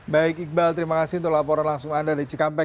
baik iqbal terima kasih untuk laporan langsung anda dari cikampek